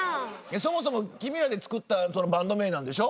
そもそも君らで作ったそのバンド名なんでしょ？